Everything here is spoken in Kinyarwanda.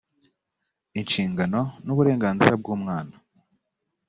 inshingano n uburenganzira bw umwana